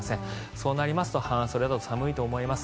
そうなりますと半袖だと寒いと思います。